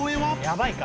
「やばいか」